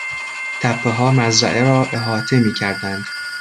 تپهها مزرعه را احاطه میکردند.